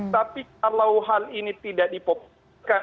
tapi kalau hal ini tidak di populkan